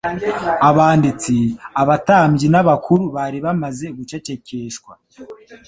Abanditsi, abatambyi n'abakuru bari bamaze gucecekeshwa.